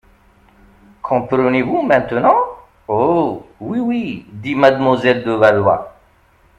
Comprenez-vous maintenant ? Oh ! oui, oui, dit mademoiselle de Valois.